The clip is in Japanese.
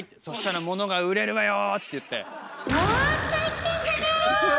そしたらモノが売れるわよ」って言って。